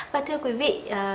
và thưa quý vị